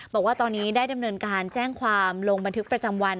บอกว่าตอนนี้ได้ดำเนินการแจ้งความลงบันทึกประจำวัน